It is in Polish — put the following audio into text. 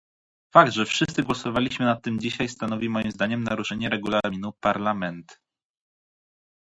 Fakt, że wszyscy głosowaliśmy nad tym dzisiaj stanowi moim zdaniem naruszenie regulaminu Parlament